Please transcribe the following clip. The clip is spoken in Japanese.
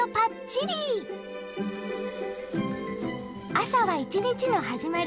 朝は一日の始まり。